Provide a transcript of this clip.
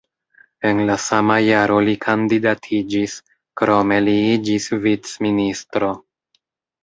En la sama jaro li kandidatiĝis, krome li iĝis vicministro.